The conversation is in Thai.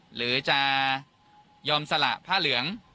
หรือจะยอมสละผ้าเหลือง